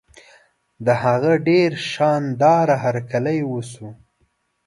د هغه ډېر شان داره هرکلی وشو.